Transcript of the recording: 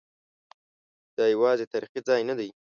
دا یوازې تاریخي ځای نه دی.